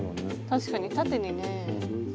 確かに縦にね。